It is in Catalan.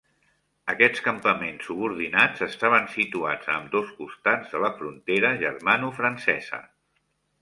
Aquests campaments subordinats estaven situats a ambdós costats de la frontera germanofrancesa.